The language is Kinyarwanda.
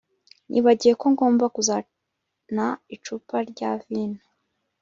Nibagiwe ko ngomba kuzana icupa rya vino